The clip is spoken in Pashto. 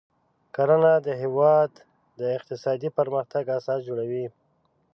کرنه د هیواد د اقتصادي پرمختګ اساس جوړوي.